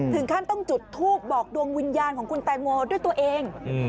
ถึงขั้นต้องจุดทูปบอกดวงวิญญาณของคุณแตงโมด้วยตัวเอง